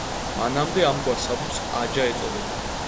მანამდე ამგვარ საბუთს აჯა ეწოდებოდა.